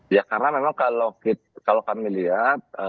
ya karena memang kalau kami lihat